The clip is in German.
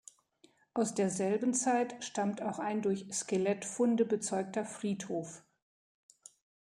Aus derselben Zeit stammt auch ein durch Skelettfunde bezeugter Friedhof.